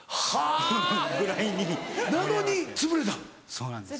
そうなんです。